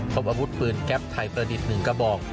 พบอาวุธปืนแก๊ปไทยประดิษฐ์๑กระบอก